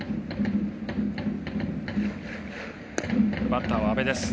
バッターは阿部です。